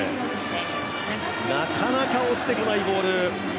なかなか落ちてこないボール。